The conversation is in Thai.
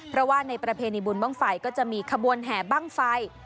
เพราะว่าในประเพณีบุญบ้างไฟก็จะมีขบวนแห่บ้างไฟ